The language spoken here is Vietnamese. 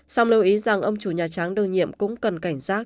xong lưu ý rằng ông chủ nhà trắng đương nhiệm cũng cần cảnh giác